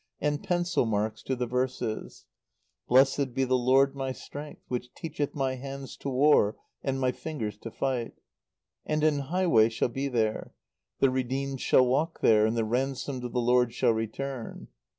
and pencil marks to the verses: "Blessed be the Lord my strength which teacheth my hands to war and my fingers to fight."... "And an highway shall be there ... the redeemed shall walk there, and the ransomed of the Lord shall return"